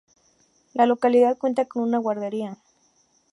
La localidad cuenta con una guardería.